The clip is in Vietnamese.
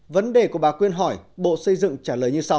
vấn đề của bà quyên hỏi bộ xây dựng trả lời như sau